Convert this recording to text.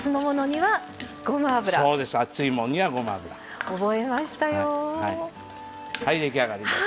はい出来上がりです。